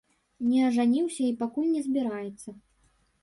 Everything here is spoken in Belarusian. Не ажаніўся і пакуль не збіраецца.